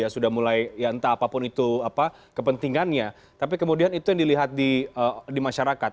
sudah mulai ya entah apapun itu kepentingannya tapi kemudian itu yang dilihat di masyarakat